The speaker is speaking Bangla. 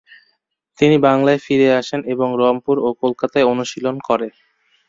তিনি বাংলায় ফিরে আসেন এবং রংপুর ও কলকাতায় অনুশীলন শুরু করেন।